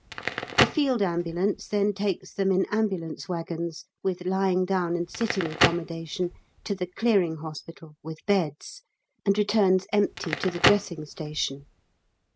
The Field Ambulance then takes them in ambulance waggons (with lying down and sitting accommodation) to the Clearing Hospital, with beds, and returns empty to the Dressing Station.